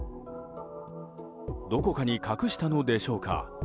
どこかに隠したのでしょうか。